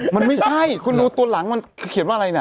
มันไม่ใช่คุณรู้ตัวหลังเขียนว่าอะไร